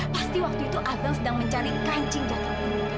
pasti waktu itu abang sedang mencari kancing jaketnya